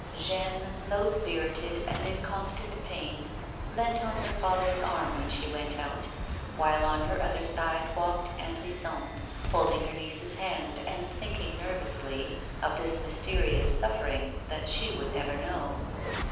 Jeanne, low spirited and in constant pain, leant on her father's arm when she went out, while on her other side walked Aunt Lison, holding her niece's hand, and thinking nervously, of this mysterious suffering that she would never know.